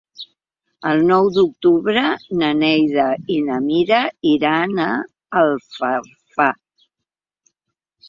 El nou d'octubre na Neida i na Mira iran a Alfafar.